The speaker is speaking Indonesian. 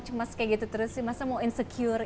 cemas kayak gitu terus sih masa mau insecure